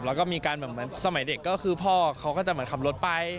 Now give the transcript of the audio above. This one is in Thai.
แล้วก็มีการแบบเหมือนสมัยเด็กก็คือพ่อเขาก็จะเหมือนขับรถไป